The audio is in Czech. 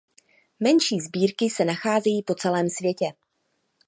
Menší sbírky se nacházejí po celém světě.